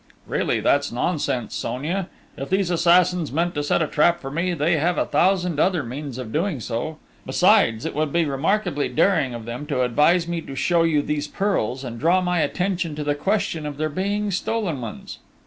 "Really, that's nonsense, Sonia! If these assassins meant to set a trap for me, they have a thousand other means of doing so ... besides, it would be remarkably daring of them to advise me to show you these pearls, and draw my attention to the question of their being stolen ones!...